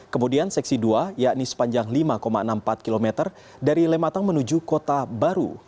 kemudian seksi dua yakni sepanjang lima enam puluh empat km dari lematang menuju kota baru